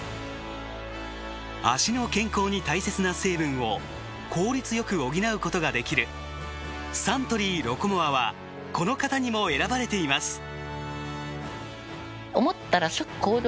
脚の健康に大切な成分を効率よく補うことができるサントリーロコモアはこの方にも選ばれています。